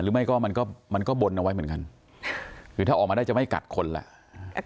หรือไม่ก็มันก็มันก็บนเอาไว้เหมือนกันคือถ้าออกมาได้จะไม่กัดคนแหละ